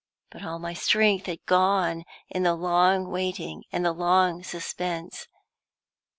But all my strength had gone in the long waiting and the long suspense.